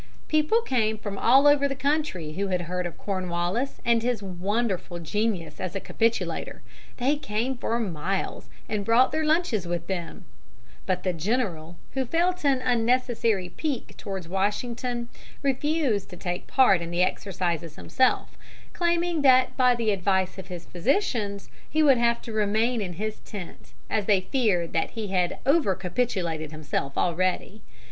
People came from all over the country who had heard of Cornwallis and his wonderful genius as a capitulator. They came for miles, and brought their lunches with them; but the general, who felt an unnecessary pique towards Washington, refused to take part in the exercises himself, claiming that by the advice of his physicians he would have to remain in his tent, as they feared that he had over capitulated himself already.